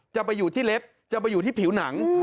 จะไปอยู่ที่เล็บจะไปอยู่ที่ผิวหนัง